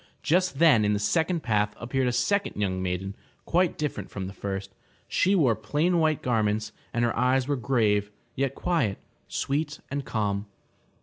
just then in the second path appeared a second young maiden, quite different from the first. She wore plain white garments and her eyes were grave, yet quiet, sweet and calm.